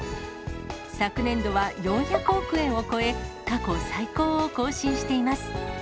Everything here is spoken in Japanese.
昨年度は４００億円を超え、過去最高を更新しています。